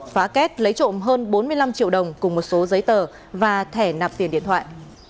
phá kết lấy trộm hơn bốn mươi năm triệu đồng cùng một số giấy tờ và thẻ nạp tiền điện thoại